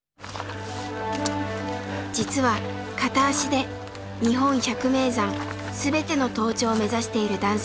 実は片足で日本百名山全ての登頂を目指している男性です。